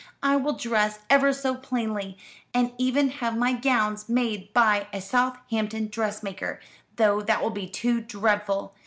I will dress ever so plainly, and even have my gowns made by a Southampton dressmaker, though that will be too dreadful.